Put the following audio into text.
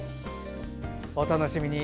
お楽しみに。